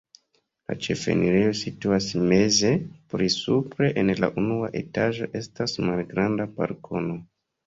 La ĉefenirejo situas meze, pli supre en la unua etaĝo estas malgranda balkono.